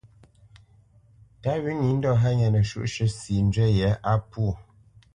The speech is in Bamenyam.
Tǎ wʉ̌ nǐ ndɔ̂ hánya nəshwǔʼshʉ̂ sǐ njywí yě á pwô.